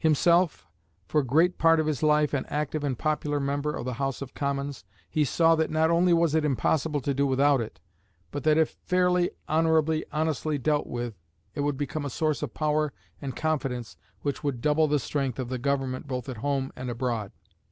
Himself, for great part of his life, an active and popular member of the House of Commons, he saw that not only it was impossible to do without it, but that, if fairly, honourably, honestly dealt with, it would become a source of power and confidence which would double the strength of the Government both at home and abroad.